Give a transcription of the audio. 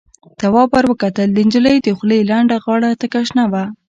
تواب ور وکتل، د نجلۍ دخولې لنده غاړه تکه شنه وه.